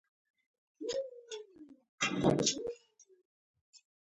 انا د ماشومانو خواړه خوښوي